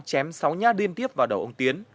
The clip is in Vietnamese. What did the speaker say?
chém sáu nha đêm tiếp vào đầu ông tiến